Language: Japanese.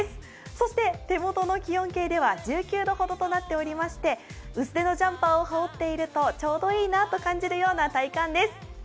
そして手元の気温計では１９度ほどになっていまして薄手のジャンパーを羽織っているとちょうどいいなと感じるような体感です。